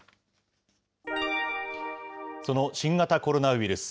その新型コロナウイルス。